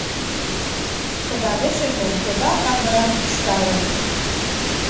Кыдалешыже йыдал кандырам ӱшталын.